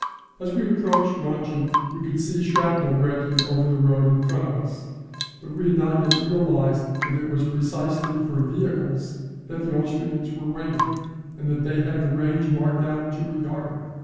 As we approached Ronchi we could see shrapnel breaking over the road in front of us, but we had not yet realised that it was precisely for vehicles that the Austrians were waiting, and that they had the range marked out to a yard.